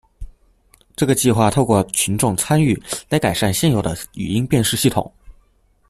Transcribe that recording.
這個計畫透過群眾參與，來改善現有的語音辨識系統